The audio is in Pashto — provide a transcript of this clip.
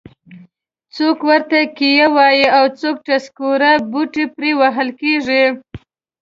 څوک ورته کیه وایي او څوک ټسکوره. بوټي پرې وهل کېږي.